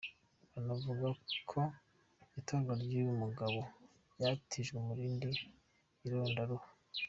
Banavuga ko itorwa ry’uyu mugabo ryatije umurindi irondaruhu.